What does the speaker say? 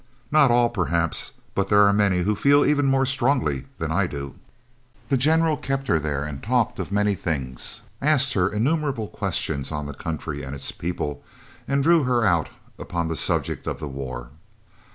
"Not all, perhaps, but there are many who feel even more strongly than I do." The General kept her there and talked of many things, asked her innumerable questions on the country and its people, and drew her out upon the subject of the war.